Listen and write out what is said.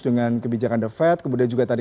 dengan kebijakan the fed kemudian juga tadi